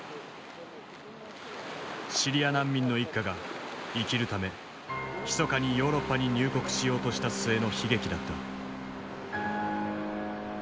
シリア難民の一家が生きるためひそかにヨーロッパに入国しようとした末の悲劇だった。